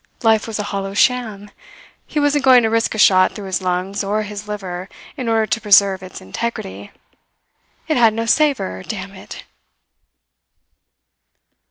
Life was a hollow sham; he wasn't going to risk a shot through his lungs or his liver in order to preserve its integrity. It had no savour damn it!